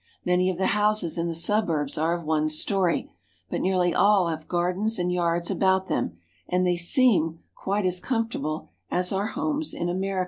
Many of the houses in the suburbs are of one story, but nearly all have gardens and yards about them, and they seem quite as comfortable as our homes in America.